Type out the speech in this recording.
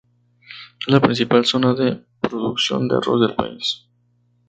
Es la principal zona de producción de arroz del país.